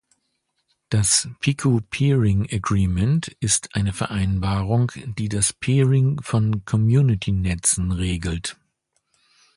Das "Pico Peering Agreement" ist eine Vereinbarung, die das Peering von Community-Netzen regelt.